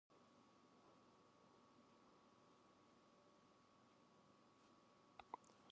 The archive also included the and the important Gruuthuse manuscript.